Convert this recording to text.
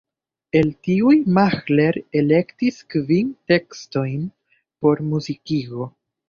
El tiuj Mahler elektis kvin tekstojn por muzikigo.